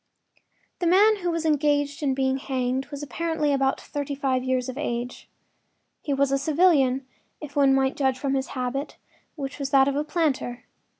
The man who was engaged in being hanged was apparently about thirty five years of age. He was a civilian, if one might judge from his habit, which was that of a planter.